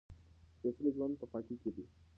سپېڅلی ژوند په پاکۍ کې دی.